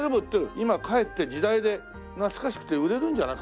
今かえって時代で懐かしくて売れるんじゃない？